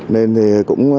nên thì cũng